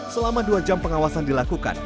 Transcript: selama dua jam pengawasan dilakukan